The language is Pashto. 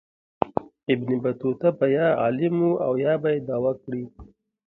ابن بطوطه به یا عالم و او یا به یې دعوه کړې.